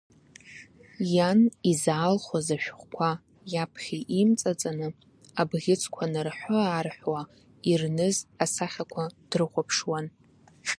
Иан изаалхәаз ашәҟәқәа иаԥхьа имҵаҵаны, абӷьыцқәа нарҳәы-аарҳәуа, ирныз асахьақәа дрыхәаԥшуан.